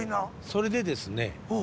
それでですね